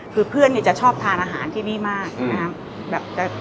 คือเพื่อนจะชอบทานอาหารที่นี่มากนะครับ